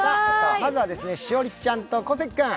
まずは栞里ちゃんと小関君。